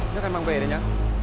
nhất anh mang về đây nhá